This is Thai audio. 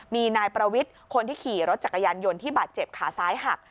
มีนายประวิทย์คนที่ขี่รถจักรยานยนต์ที่บาดเจ็บขาซ้ายหัก